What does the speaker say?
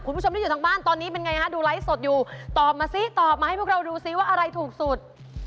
คุณผู้ชมที่อยู่ทางบ้านตอนนี้เป็นไงฮะดูไลฟ์สดอยู่ตอบมาซิตอบมาให้พวกเราดูซิว่าอะไรถูกสุด